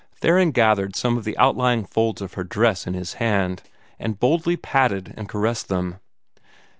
Theron gathered some of the outlying folds of her dress in his hand, and boldly patted and caressed them.